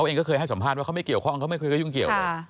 เองก็เคยให้สัมภาษณ์ว่าเขาไม่เกี่ยวข้องเขาไม่เคยก็ยุ่งเกี่ยวเลย